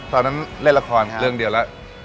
ตอนนั้นเล่นละครเรื่องเดียวแล้ว